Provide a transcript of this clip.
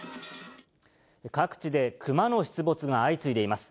各地でクマの出没が相次いでいます。